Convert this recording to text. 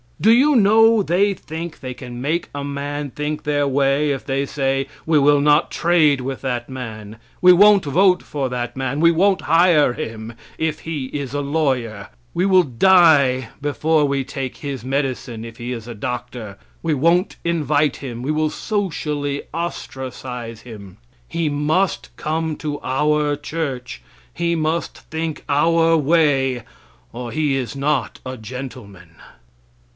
Do you know they think they can make a man think their way if they say, "We will not trade with that man; we won't vote for that man; we won't hire him, if he is a lawyer; we will die before we take his medicine, if he is a doctor, we won't invite him; we will socially ostracize him; he must come to our church; he must think our way or he is not a gentleman."